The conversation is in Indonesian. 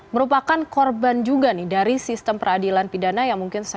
merupakan korban juga nih dari sistem peradilan pidana yang mungkin saja